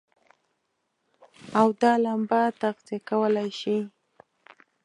او دا لمبه تغذيه کولای شي.